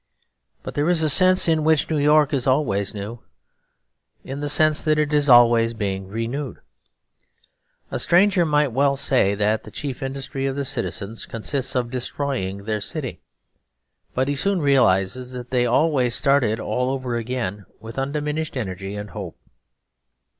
But there is a sense in which New York is always new; in the sense that it is always being renewed. A stranger might well say that the chief industry of the citizens consists of destroying their city; but he soon realises that they always start it all over again with undiminished energy and hope.